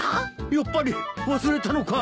やっぱり忘れたのかい？